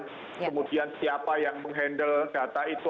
dan kemudian siapa yang menghandle data itu